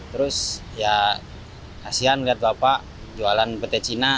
terus ya kasihan lihat bapak jualan petai cina